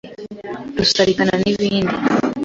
rusarikana n’ibindi